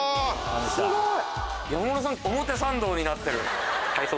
すごい。